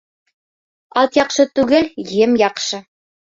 Ат яҡшы түгел, ем яҡшы